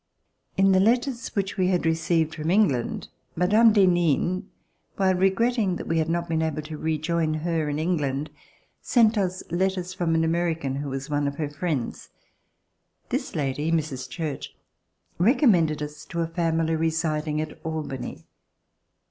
In the letters which we had received from Eng RECOLLECTIONS OF THE REVOLUTION land, Mme. d'Henin, while regretting that we had not been able to rejoin her in England, sent us letters from an American who was one of her friends. This lady, Mrs. Church, recommended us to a family residing at Albany.